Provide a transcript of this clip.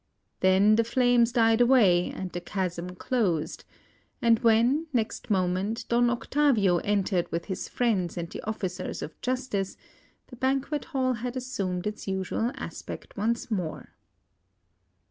Then the flames died away, and the chasm closed; and when, next moment, Don Octavio entered with his friends and the officers of Justice, the banquet hall had assumed its usual aspect once more.